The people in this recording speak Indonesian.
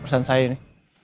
perusahaan saya ini